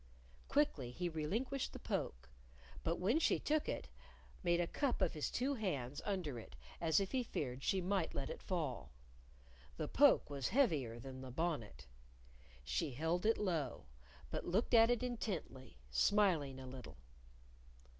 Quickly he relinquished the poke, but when she took it, made a cup of his two hands under it, as if he feared she might let it fall. The poke was heavier than the bonnet. She held it low, but looked at it intently, smiling a little.